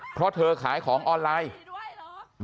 เพราะเธอขายของออนไลน์